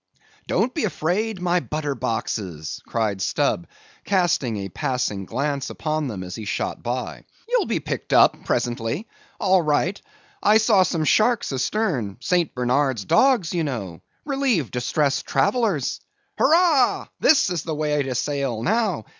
"Don't be afraid, my butter boxes," cried Stubb, casting a passing glance upon them as he shot by; "ye'll be picked up presently—all right—I saw some sharks astern—St. Bernard's dogs, you know—relieve distressed travellers. Hurrah! this is the way to sail now.